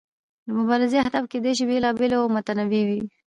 د مبارزې اهداف کیدای شي بیلابیل او متنوع وي.